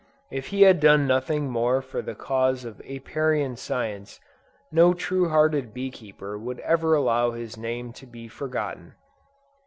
If he had done nothing more for the cause of Apiarian science, no true hearted bee keeper would ever allow his name to be forgotten.